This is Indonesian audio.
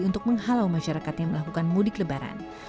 untuk menghalau masyarakat yang melakukan mudik lebaran